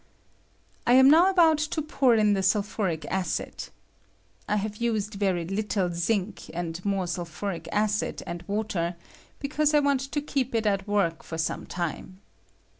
I am now about to pour in the sulphuric acid. I have used very httle zinc and more sulphuric acid and ■ water, because I want to keep it at work for some time.